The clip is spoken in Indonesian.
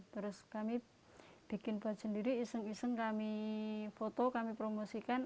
terus kami bikin buat sendiri iseng iseng kami foto kami promosikan